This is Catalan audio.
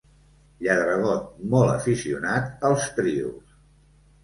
Lladregot molt aficionat als trios.